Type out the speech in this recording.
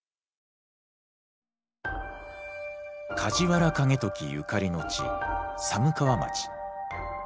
梶原景時ゆかりの地寒川町。